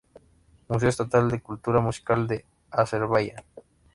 Museo Estatal de Cultura Musical de Azerbaiyán